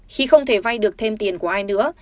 khi không thể vay được thêm tiền của ai nữa